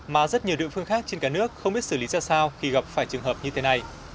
mà rất nhiều địa phương khác trên cả nước không biết xử lý ra sao khi gặp phải trường hợp như thế này